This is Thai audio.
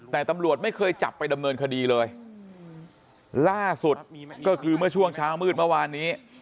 แต่ตำรวจไม่เคยจับไปดำเนินคดีเลยล่าสุดก็คือเมื่อช่วงเช้ามืดเมื่อวานนี้